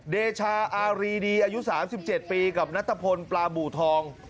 เดชาอารีดีอายุ๓๗ปีกับนัทพลปลาบูทอง